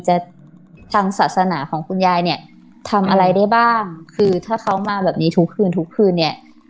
ทางศาสนาของคุณยายเนี่ยทำอะไรได้บ้างคือถ้าเขามาแบบนี้ทุกคืนทุกคืนเนี่ย